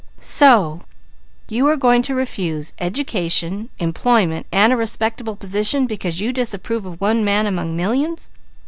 "So you are going to refuse education, employment and a respectable position because you disapprove of one man among millions?"